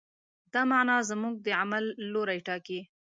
دا معنی زموږ د عمل لوری ټاکي.